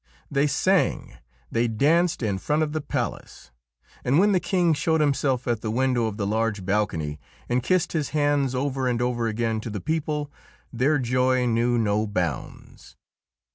They sang, they danced in front of the palace, and when the King showed himself at the window of the large balcony and kissed his hands over and over again to the people, their joy knew no bounds.